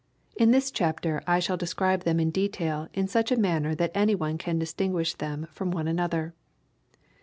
In this chapter I shall describe them in detail in such a manner that anyone can distinguish them from one another.